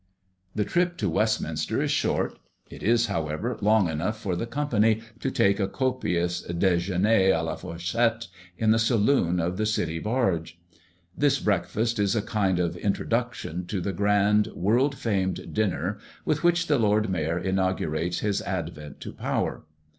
The trip to Westminster is short; it is, however, long enough for the company to take a copious dejeuner à la fourchette in the saloon of the City barge. This breakfast is a kind of introduction to the grand world famed dinner, with which the Lord Mayor inaugurates his advent to power.